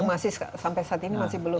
yang masih sampai saat ini masih belum di